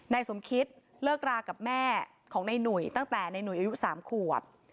นายสมคิตเลิกรากับแม่ของในหนุ่ยตั้งแต่ในหนุ่ยอายุ๓ขวบ